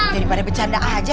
daripada bercanda aja